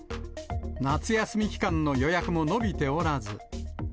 夏休み期間の予約も伸びておらず。